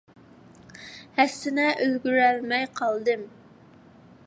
ھەسسىنە، ئۈلگۈرەلمەي قالدىم.